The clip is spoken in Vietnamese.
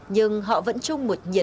nhưng họ vẫn chung một nhiệt huyết